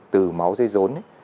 từ máu dây dốn ấy